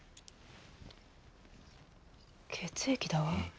血液だわ。